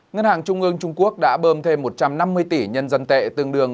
ngân hàng trung ương trung quốc đã bơm thêm một trăm năm mươi tỷ nhân dân tệ tương đương